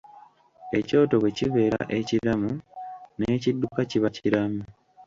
Ekyoto bwe kibeera ekiramu n'ekidduka kiba kiramu.